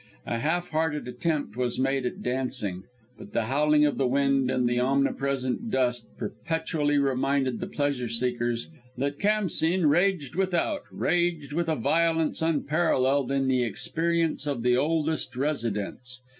A halfhearted attempt was made at dancing, but the howling of the wind, and the omnipresent dust, perpetually reminded the pleasure seekers that Khamsîn raged without raged with a violence unparalleled in the experience of the oldest residents.